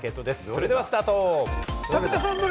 それではスタート！